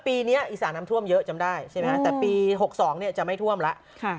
ปีนี้อีสานน้ำท่วมเยอะจำได้ใช่ไหมฮะแต่ปี๖๒จะไม่ท่วมแล้ว